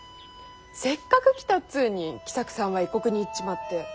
せっかく来たっつんに喜作さんは異国に行っちまって。